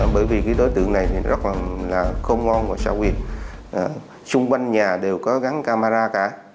bởi vì đối tượng này rất là không ngon và xa huyệt xung quanh nhà đều có gắn camera cả